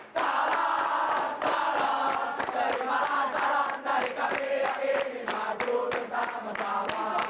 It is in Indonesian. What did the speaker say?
salam salam terima salam dari kami yang ingin maju bersama sama